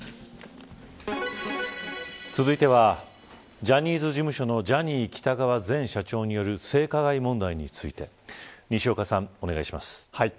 続いてはジャニーズ事務所のジャニー喜多川前社長による性加害問題について西岡さん、お願いします。